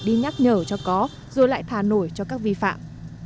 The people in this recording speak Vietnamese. đi nhắc nhở cho có rồi lại thà nổi cho các vi phạm